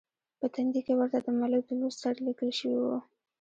په تندي کې ورته د ملک د لور سره لیکل شوي و.